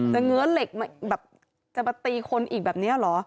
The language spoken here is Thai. เงื้อเหล็กแบบจะมาตีคนอีกแบบนี้เหรอ